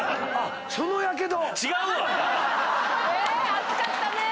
熱かったね！